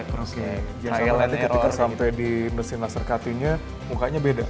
jangan sampai nanti ketika sampai di mesin laser cutting nya mukanya beda